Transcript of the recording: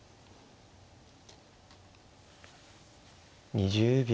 ２０秒。